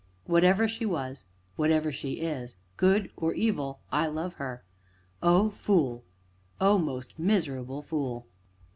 whatever she was whatever she is good or evil I love her. O Fool! O most miserable Fool!"